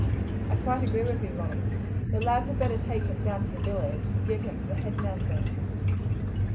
"I quite agree with you, Ronald. The lad had better take him down to the village, and give him to the head man there.